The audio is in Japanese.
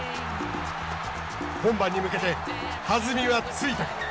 本番に向けて弾みはついたか。